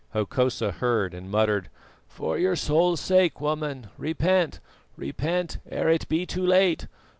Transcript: Hokosa heard and muttered: "For your soul's sake, woman, repent! repent, ere it be too late!"